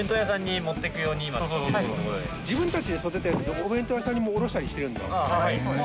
自分たちで育てた野菜をお弁当屋さんに卸したりしてるんだ。